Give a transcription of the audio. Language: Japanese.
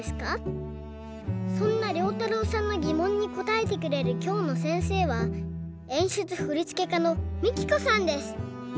そんなりょうたろうさんのぎもんにこたえてくれるきょうのせんせいはえんしゅつふりつけかのＭＩＫＩＫＯさんです。